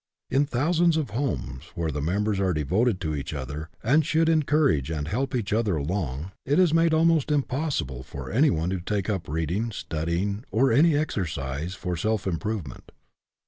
In thousands of homes where the members are devoted to each other, and should en courage and help each other along, it is made 38 EDUCATION BY ABSORPTION almost impossible for anyone to take up read ing, studying, or any exercise for self im provement.